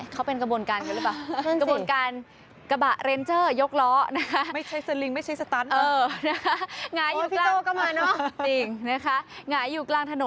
เขาเป็นกระบวนการกันหรือเปล่า